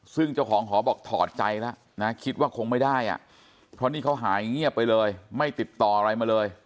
ซึ่งเจ้าของหอบอกถอดใจแล้วนะคิดว่าคงไม่ได้อ่ะเพราะนี่เขาหายเงียบไปเลยไม่ติดต่ออะไรมาเลย